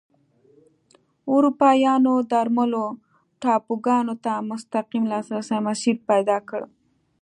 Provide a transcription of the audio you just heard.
اروپایانو درملو ټاپوګانو ته د مستقیم لاسرسي مسیر پیدا کړ.